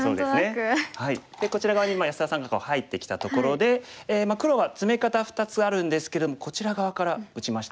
こちら側に安田さんが入ってきたところで黒はツメ方２つあるんですけれどもこちら側から打ちました。